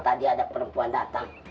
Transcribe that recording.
tadi ada perempuan datang